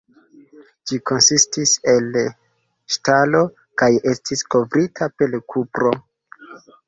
Ĝi konsistis el ŝtalo kaj estis kovrita per kupro.